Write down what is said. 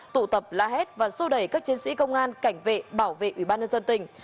tụ tập la hét và xô đẩy các chiến sĩ công an cảnh vệ bảo vệ ubnd tỉnh